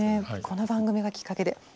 この番組がきっかけで。